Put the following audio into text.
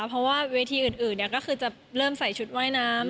เพราะว่าเวทีอื่นก็คือจะเริ่มใส่ชุดว่ายน้ำ